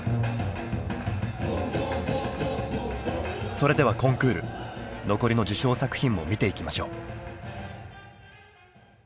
それではコンクール残りの受賞作品も見ていきましょう。